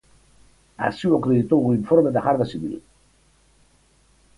Así o acreditou un informe da Garda Civil.